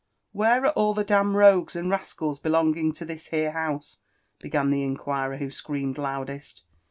'* Where are all the d— — n rogues and rascals belonging to this here house?" began the inquirer who screamed loudest.